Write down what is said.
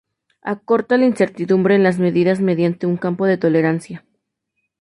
Acorta la incertidumbre en las medidas mediante un campo de tolerancia.